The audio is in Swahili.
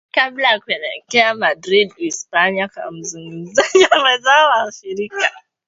kabla ya kuelekea Madrid Uhispania kwa mazungumzo na wenzao wa ushirika